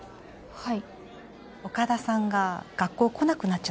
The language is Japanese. はい